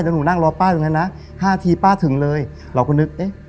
แล้วหนูนั่งรอป้าตรงนั้นนะห้าทีป้าถึงเลยเราก็นึกเอ๊ะ